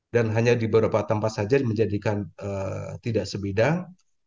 dan hanya di beberapa tempat saja menjadikan tidak sebidang